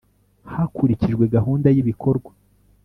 hakurikijwe gahunda y ibikorwa